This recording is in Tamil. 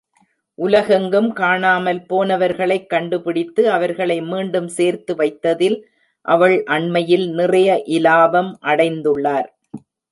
உலகெங்கும் காணாமல் போனவர்களை கண்டுபிடித்து அவர்களை மீண்டும் சேர்த்து வைத்ததில் அவள் அண்மையில் நிறைய இலாபம் அடைந்துள்ளார்.